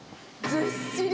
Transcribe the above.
ずっしり！